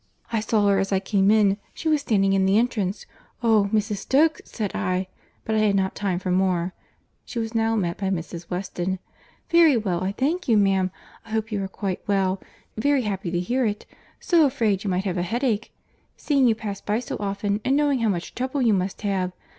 I saw her as I came in; she was standing in the entrance. 'Oh! Mrs. Stokes,' said I—but I had not time for more." She was now met by Mrs. Weston.—"Very well, I thank you, ma'am. I hope you are quite well. Very happy to hear it. So afraid you might have a headache!—seeing you pass by so often, and knowing how much trouble you must have.